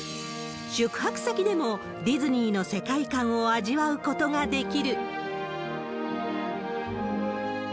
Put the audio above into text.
宿泊先でも、ディズニーの世界観を味わうことができる。